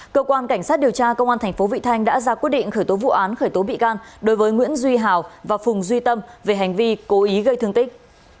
cơ quan cảnh sát điều tra công an tp vị thanh đã ra quyết định khởi tố vụ án khởi tố bị can đối với nguyễn duy hào và phùng duy tâm về hành vi cố ý gây thương tích